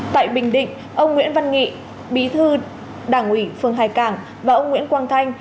tại bình định ông nguyễn văn nghị bí thư đảng ủy phường hải cảng và ông nguyễn quang thanh